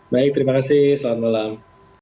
baik terima kasih selamat malam